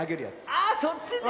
あそっちね。